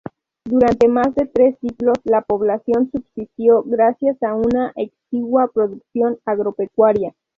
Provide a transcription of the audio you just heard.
Durante más de tres siglos la población subsistió gracias a una exigua producción agropecuaria.